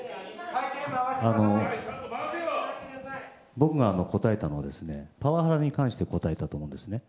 僕が答えたのはパワハラに関して答えたと思うんですね。